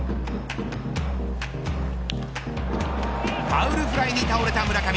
ファウルフライに倒れた村上。